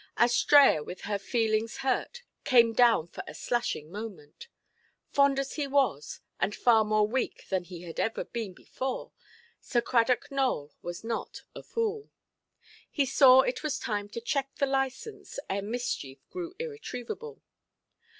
Astræa, with her feelings hurt, came down for a slashing moment. Fond as he was, and far more weak than he ever had been before, Sir Cradock Nowell was not a fool. He saw it was time to check the license, ere mischief grew irretrievable.